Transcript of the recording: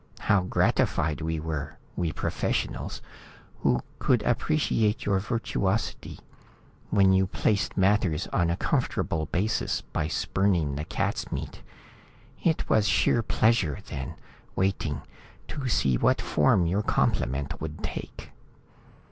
How gratified we were, we professionals, who could appreciate your virtuosity when you placed matters on a comfortable basis by spurning the cats' meat. It was sheer pleasure then, waiting, to see what form your compliment would take."